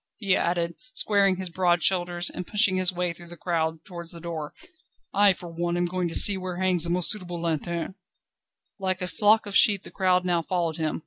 _" he added, squaring his broad shoulders, and pushing his way through the crowd towards the door, "I for one am going to see where hangs the most suitable lanterne." Like a flock of sheep the crowd now followed him.